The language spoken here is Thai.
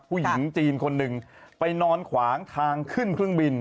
ผู้หญิงจีนคนหนึ่งไปนอนขวางทางขึ้นเครื่องบิน